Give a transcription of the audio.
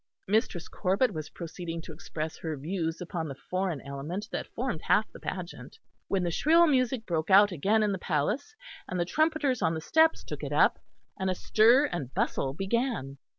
Mistress Corbet was proceeding to express her views upon the foreign element that formed half the pageant, when the shrill music broke out again in the palace, and the trumpeters on the steps took it up; and a stir and bustle began.